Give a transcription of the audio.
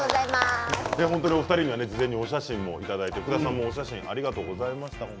お二人には事前にお写真もいただいてありがとうございました。